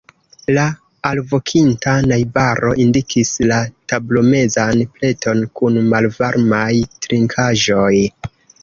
La alvokinta najbaro indikis la tablomezan pleton kun malvarmaj trinkaĵoj.